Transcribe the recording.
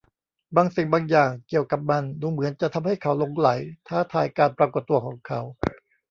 บางสิ่งบางอย่างเกี่ยวกับมันดูเหมือนจะทำให้เขาหลงใหลท้าทายการปรากฏตัวของเขา